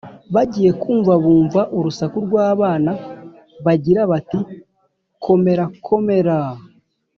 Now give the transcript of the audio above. bagiye kumva bumva urusaku rw’abana bagira bati: “komerakomeraaa,